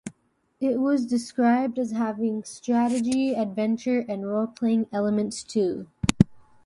It was described as having strategy, adventure, and role-playing elements too.